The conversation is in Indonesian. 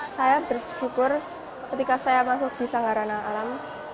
saya bersyukur ketika saya masuk di sanggarana alam